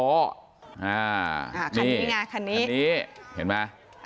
อ่าคันนี้คันนี้เห็นไหม